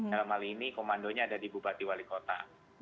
dalam hal ini komandonya ada di bupati wali kota